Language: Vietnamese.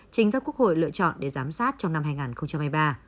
chính do quốc hội lựa chọn để giám sát trong năm hai nghìn hai mươi ba